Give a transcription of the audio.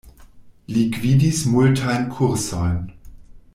Li gvidis multajn kursojn.